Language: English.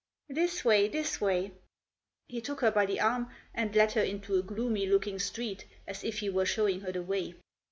" This way ! this way !" He took her by the arm and led her into a gloomy looking street, as if he were showing her the way.